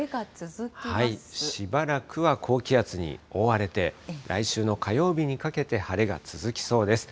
しばらくは高気圧に覆われて、来週の火曜日にかけて晴れが続きそうです。